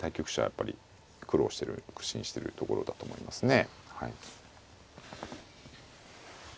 やっぱり苦労してる苦心してるところだと思いますね。